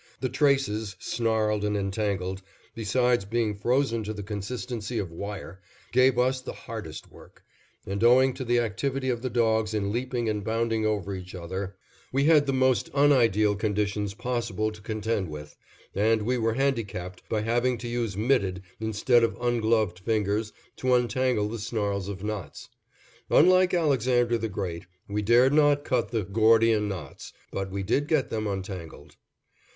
The traces, snarled and entangled, besides being frozen to the consistency of wire, gave us the hardest work; and, owing to the activity of the dogs in leaping and bounding over each other, we had the most unideal conditions possible to contend with, and we were handicapped by having to use mitted instead of ungloved fingers to untangle the snarls of knots. Unlike Alexander the Great, we dared not cut the "Gordian Knots," but we did get them untangled.